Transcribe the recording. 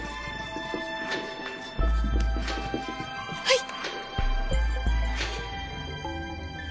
はい！